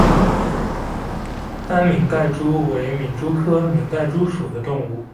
斑皿盖蛛为皿蛛科皿盖蛛属的动物。